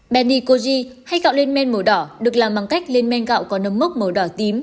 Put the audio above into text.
benikoji hay gạo lên men màu đỏ được làm bằng cách lên men gạo có nấm mốc màu đỏ tím